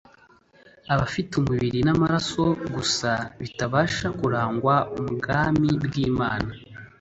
abafite umubiri n’amaraso gusa bitabasha kurangwa Ubwami bw’Imana